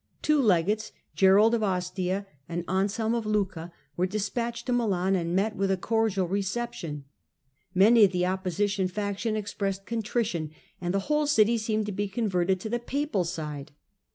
Two legates, Gerald of Ostia and Anselm of Lucca, were despatched to Milan and met with a cordial reception ; many of the opposition faction expressed contrition, and the whole city seemed to be converted to the papal side.